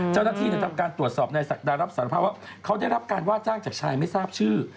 เจ้าหน้าที่ทำการตรวจสอบในศักดารับสารภาพว่าเขาได้รับการว่าจ้างจากชายไม่ทราบชื่อ